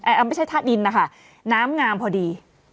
เอาไม่ใช่ท่าดินนะคะน้ำงามพอดี